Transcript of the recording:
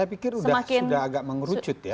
saya pikir sudah agak mengerucut ya